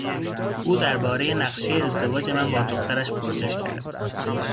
او دربارهی نقشهی ازدواج من با دخترش پرسش کرد.